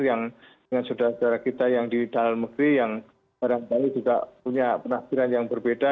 yang dengan saudara saudara kita yang di dalam negeri yang barangkali juga punya penampilan yang berbeda